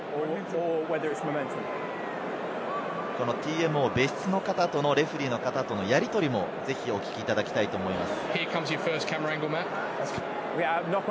ＴＭＯ、別室の方とのレフェリーの方とのやり取りもぜひお聞きいただきたいと思います。